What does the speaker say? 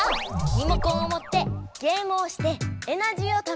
リモコンをもってゲームをしてエナジーをためよう！